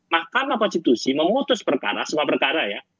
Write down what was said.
mahkamah konstitusi memutus perkara semua perkara ya